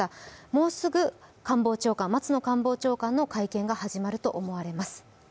もうすぐ松野官房長官の会見が始まると思われます。